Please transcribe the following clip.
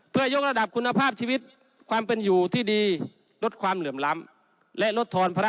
เพื่อยกระดับคุณภาพชีวิตความเป็นอยู่ที่ดีลดความเหลื่อมล้ำและลดทอนพระ